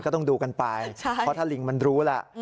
ก็ต้องดูกันไปเพราะถ้าลิงมันรู้แล้ว